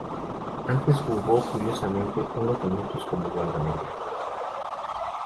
Antes jugó curiosamente unos minutos como guardameta.